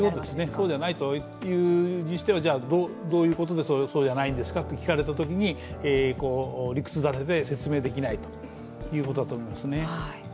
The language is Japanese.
そうじゃないと言うにしては、どういうことでそうじゃないか聞かれたときに理屈を立てて説明できないということだと思いますね。